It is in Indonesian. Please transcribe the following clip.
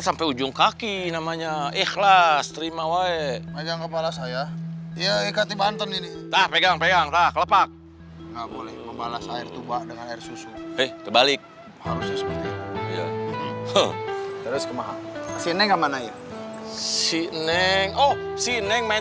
saya kira masalah kegiatan mau undang